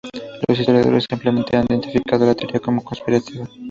Los historiadores, ampliamente, han identificado la teoría como conspirativa.